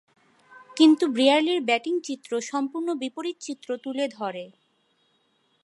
কিন্তু, ব্রিয়ারলি’র ব্যাটিং চিত্র সম্পূর্ণ বিপরীত চিত্র তুলে ধরে।